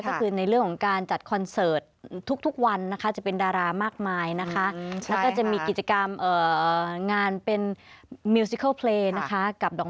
ก็คือในเรื่องของการจัดคอนเสิร์ตทุกวันนะคะจะเป็นดารามากมายนะคะ